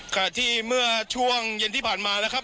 ขณะที่เมื่อช่วงเย็นที่ผ่านมานะครับ